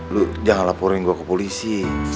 lu jangan laporin gue ke polisi